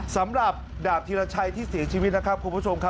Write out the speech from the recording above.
สำหรับดาบธีรชัยที่เสียชีวิตนะครับคุณผู้ชมครับ